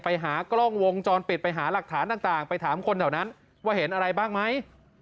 ไปหากล้องวงจรปิดไปหาหลักฐานต่างไปถามคนแถวนั้นว่าเห็นอะไรบ้างไหม